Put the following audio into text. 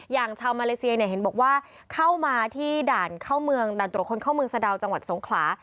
ชาวมาเลเซียเนี่ยเห็นบอกว่าเข้ามาที่ด่านเข้าเมืองด่านตรวจคนเข้าเมืองสะดาวจังหวัดสงขลา